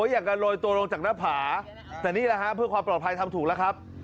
อยากจะโรยตัวลงจากหน้าผาแต่นี่แหละฮะเพื่อความปลอดภัยทำถูกแล้วครับ